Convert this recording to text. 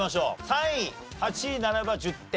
３位８位ならば１０点。